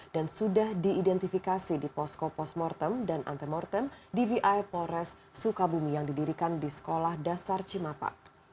dan sudah diidentifikasi di posko posmortem dan antemortem di vi polres sukabumi yang didirikan di sekolah dasar cimapak